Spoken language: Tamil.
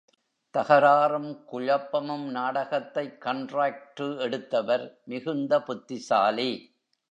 தகராறும் குழப்பமும் நாடகத்தைக் கண்ட்ராக்டு எடுத்தவர் மிகுந்த புத்திசாலி.